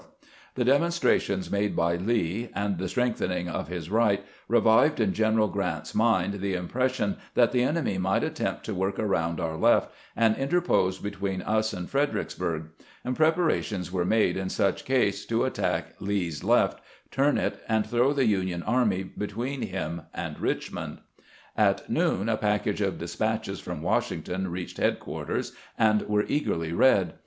AEKIVAL OF DESPATCHES 91 The demonstrations made by Lee, and the strengthen ing of his right, revived in Greneral Grant's mind the impression that the enemy might attempt to work around our left, and interpose between ns and Freder icksburg ; and preparations were made in such case to attack Lee's left, turn it, and throw the Union army between him and Richmond. At noon a package of despatches from Washington reached headquarters, and were eagerly read.